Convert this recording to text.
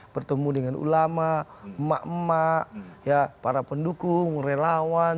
bertemu dengan ulama emak emak para pendukung relawan